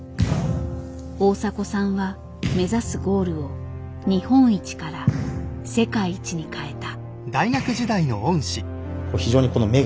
大迫さんは目指すゴールを日本一から世界一に変えた。